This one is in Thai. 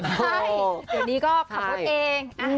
อันนี้ก็พร้อมพูดเอง